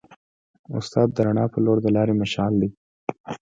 استاد د رڼا په لور د لارې مشعل دی.